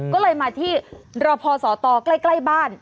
ก็เลยมาที่รอพอสตใกล้บ้าน